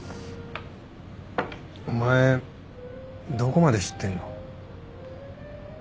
お前どこまで知ってんの？